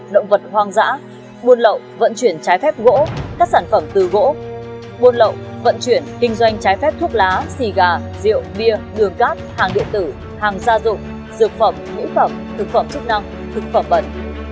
động vật hoang dã buôn lậu vận chuyển trái phép gỗ các sản phẩm từ gỗ buôn lậu vận chuyển kinh doanh trái phép thuốc lá xì gà rượu bia đường cát hàng điện tử hàng gia dụng dược phẩm mỹ phẩm thực phẩm chức năng thực phẩm bẩn